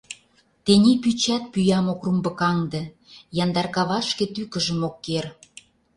Тений пӱчат пӱям ок румбыкаҥде, Яндар кавашке тӱкыжым ок кер…